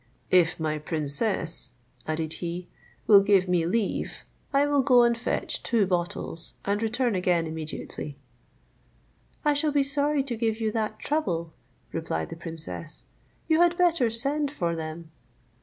If my princess," added he, "will give me leave, I will go and fetch two bottles, and return again immediately." "I should be sorry to give you that trouble," replied the princess; "you had better send for them."